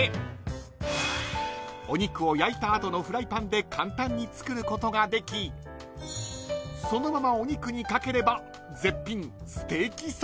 ［お肉を焼いた後のフライパンで簡単に作ることができそのままお肉にかければ］